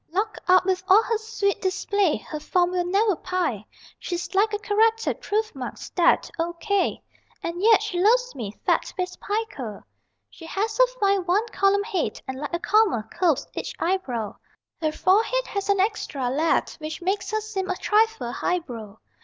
Locked up with all her sweet display Her form will never pi. She's like a Corrected proof marked stet, O. K. And yet she loves me, fatface =Pica!= She has a fine one column head, And like a comma curves each eyebrow Her forehead has an extra lead Which makes her seem a trifle highbrow.